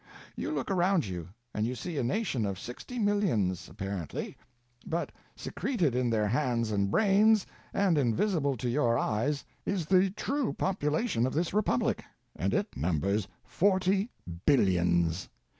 You look around you and you see a nation of sixty millions—apparently; but secreted in their hands and brains, and invisible to your eyes, is the true population of this Republic, and it numbers forty billions!